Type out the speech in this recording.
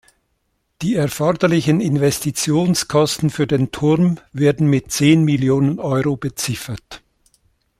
Die erforderlichen Investitionskosten für den Turm werden mit zehn Millionen Euro beziffert.